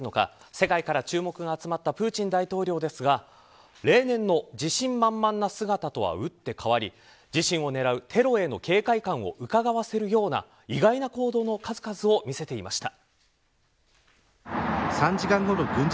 世界から注目が集まったプーチン大統領ですが例年の自信満々な姿とは打って変わり自身を狙うテロへの警戒感をうかがわせるような意外な行動の数々を見せていました。